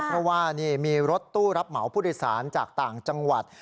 เพราะว่ามีรถตู้รับเหมาพุทธศาลจากต่างจังหวัด